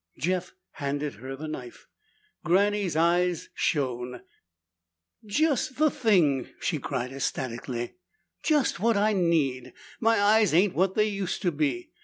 Jeff handed her the knife. Granny's eyes shone. "Just the thing!" she cried ecstatically. "Just what I need! My eyes ain't what they used to be.